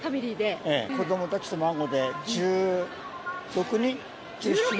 子どもたちと孫で１６人？